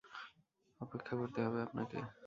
অপেক্ষা করতে হবে আপনাকে।